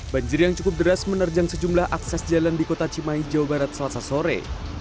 banjir yang cukup deras menerjang sejumlah akses jalan di kota cimahi jawa barat selasa sore